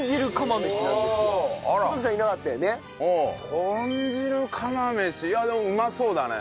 豚汁釜飯いやでもうまそうだね。